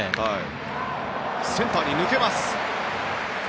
センターに抜けます。